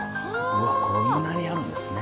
うわっこんなにあるんですね。